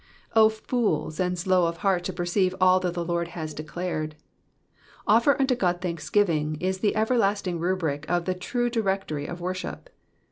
O fools, and slow of heart to perceive all that the Lord has declared. Offer unto God thanks giving'* is the everlasting rubnc of the true directory of worship.